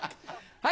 はい。